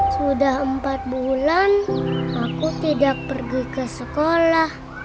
sudah empat bulan aku tidak pergi ke sekolah